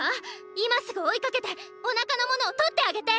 今すぐ追いかけてお腹のものを取ってあげて！